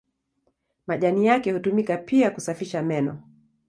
Majani yake hutumika pia kusafisha meno.